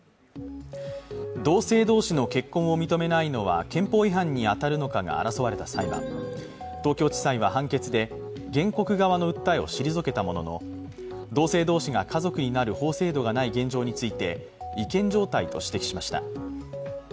同性同士の結婚を認めないのは憲法違反に当たるのかが争われた裁判、東京地裁は判決で東京地裁は判決で原告側の訴えを退けたものの同性同士が家族になる法制度がない現状について違憲状態と指摘しました。